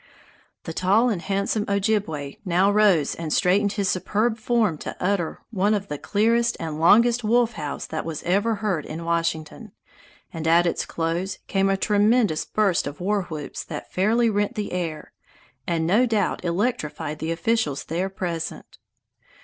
The tall and handsome Ojibway now rose and straightened his superb form to utter one of the clearest and longest wolf howls that was ever heard in Washington, and at its close came a tremendous burst of war whoops that fairly rent the air, and no doubt electrified the officials there present.